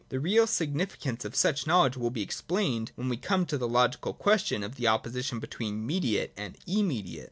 The real significance of such knowledge will be explained, when we come to the logical question of the opposition be tween mediate and immediate.